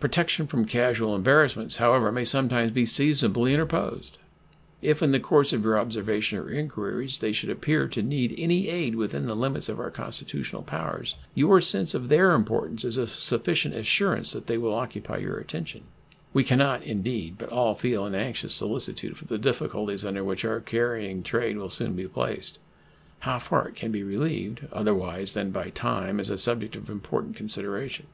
Protection from casual embarrassments, however, may sometimes be seasonably interposed. If in the course of your observations or inquiries they should appear to need any aid within the limits of our constitutional powers, your sense of their importance is a sufficient assurance they will occupy your attention. We can not, indeed, but all feel an anxious solicitude for the difficulties under which our carrying trade will soon be placed. How far it can be relieved, otherwise than by time, is a subject of important consideration.